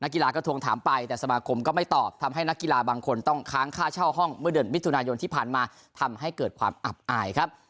กีฬาก็ทวงถามไปแต่สมาคมก็ไม่ตอบทำให้นักกีฬาบางคนต้องค้างค่าเช่าห้องเมื่อเดือนมิถุนายนที่ผ่านมาทำให้เกิดความอับอายครับ